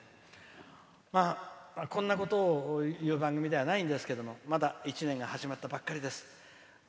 こんなことを言う番組ではないんですけどまだ一年が始まったばっかりです。